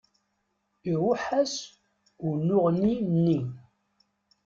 Iruḥ-as unuɣni-nni.